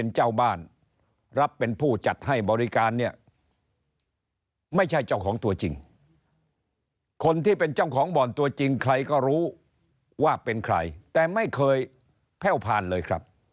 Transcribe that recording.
เจ้าบ้านรับเป็นผู้จัดให้บริการเนี่ยไม่ใช่เจ้าของตัวจริงคนที่เป็นเจ้าของบ่อนตัวจริงใครก็รู้ว่าเป็นใครแต่ไม่เคยแพ่วผ่านเลยครับ